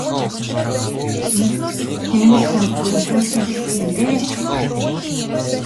Тэнэмэл хүн өрөвдүүлэхийг л хүснэ ээ.